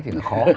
thì nó khó